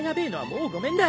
もうごめんだ！